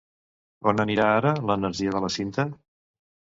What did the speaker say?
On anirà ara l'energia de la cinta?